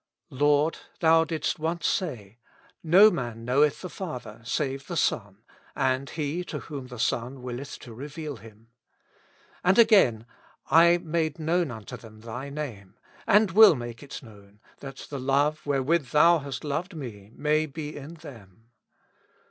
Lord ! Thou didst once say :" No man knoweth the Father save the Son, and he to whom the Son willeth to reveal Him." And again :'' I made known unto them Thy name, and will make it known, that the love wherewith Thou hast loved Me may be in them."